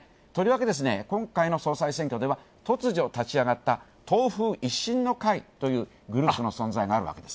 とりわけ、この総裁選挙では突如立ち上がった党風一新の会というグループの存在があるわけです。